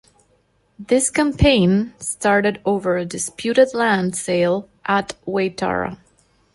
This campaign started over a disputed land sale at Waitara.